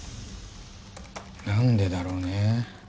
なんでだろうね。